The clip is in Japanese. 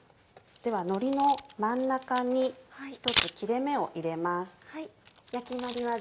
ではのりの真ん中に１つ切れ目を入れます。